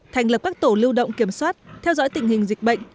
thành lập các tổ lưu động kiểm soát theo dõi tình hình dịch bệnh